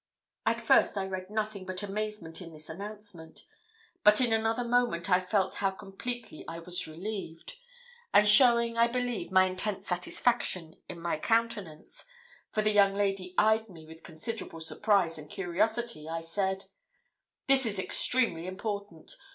At first I read nothing but amazement in this announcement, but in another moment I felt how completely I was relieved; and showing, I believe, my intense satisfaction in my countenance for the young lady eyed me with considerable surprise and curiosity I said 'This is extremely important.